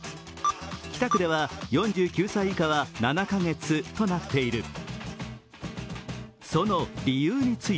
北区では４９歳以下は７カ月となっている。